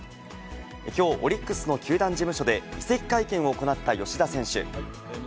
きょう、オリックスの球団事務所で移籍会見を行った吉田選手。